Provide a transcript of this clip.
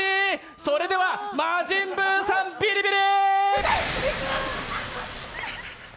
それでは、魔神ブウさん、ビリビリ！